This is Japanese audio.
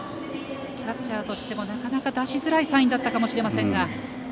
キャッチャーとしてもなかなか出しづらいサインだったかもしれませんが。